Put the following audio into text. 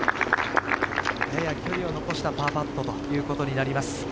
やや距離を残したパーパットということになります。